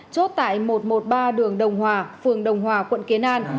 chốt tại một trăm một mươi ba đường đồng hòa phường đồng hòa quận kiến an